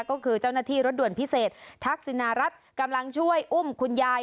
ก็คือเจ้าหน้าที่รถด่วนพิเศษทักษินารัฐกำลังช่วยอุ้มคุณยาย